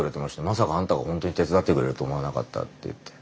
「まさかあんたがほんとに手伝ってくれると思わなかった」って言って。